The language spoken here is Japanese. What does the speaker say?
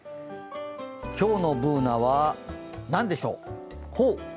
今日のＢｏｏｎａは何でしょう？